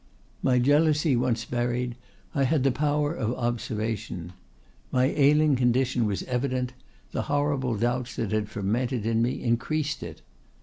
My jealousy once buried, I had the power of observation. My ailing condition was evident; the horrible doubts that had fermented in me increased it.